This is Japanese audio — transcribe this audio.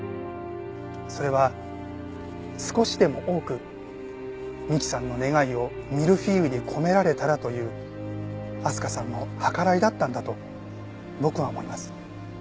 それは少しでも多く美希さんの願いをミルフィーユに込められたらという明日香さんの計らいだったんだと僕は思います。